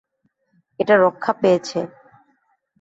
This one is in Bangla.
এটা রক্ষা পেয়েছে।